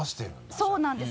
そうなんです。